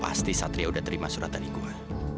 pasti satria udah terima surat tadi gua